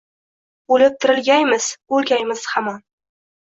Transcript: O’lib-tirilgaymiz? O’lgaymiz hamon?..